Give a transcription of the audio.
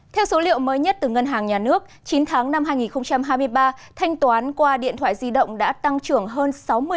theo số liệu mới nhất từ ngân hàng nhà nước chín tháng năm hai nghìn hai mươi ba thanh toán qua điện thoại di động đã tăng trưởng hơn sáu mươi